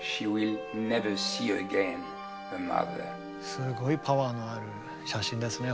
すごいパワーのある写真ですね